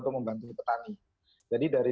untuk membantu petani jadi dari